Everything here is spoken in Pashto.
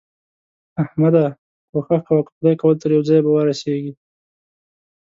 احمده! کوښښ کوه؛ که خدای کول تر يوه ځايه به ورسېږې.